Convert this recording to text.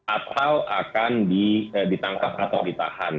atau akan ditangkap atau ditahan